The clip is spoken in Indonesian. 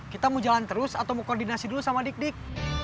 kita mau jalan terus atau mau koordinasi dulu sama dik dik